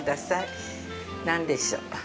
何でしょ？